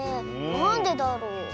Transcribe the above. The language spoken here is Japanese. なんでだろう？